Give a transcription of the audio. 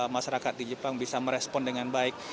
masyarakat di jepang bisa merespon dengan baik